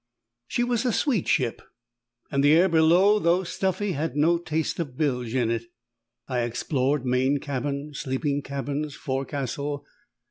She was a sweet ship; and the air below, though stuffy, had no taste of bilge in it. I explored main cabin, sleeping cabins, forecastle.